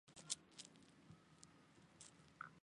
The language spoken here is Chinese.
社会主义行动是英国的一个小型托洛茨基主义组织。